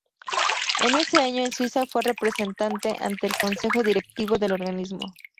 En ese año en Suiza fue representante ante el Consejo Directivo del organismo.